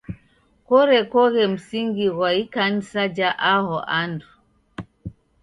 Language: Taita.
Korekoghe msingi ghwa ikanisa ja aho andu.